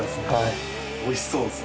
おいしそうです。